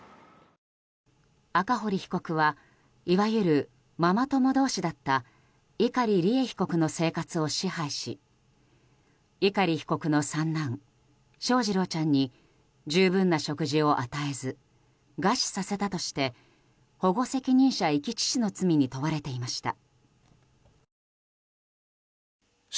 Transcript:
赤堀被告はいわゆるママ友同士だった碇利恵被告の生活を支配し碇被告の三男・翔士郎ちゃんに十分な食事を与えず餓死させたとして保護責任者遺棄致死の罪に問われていました。